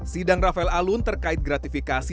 sidang rafael alun terkait gratifikasi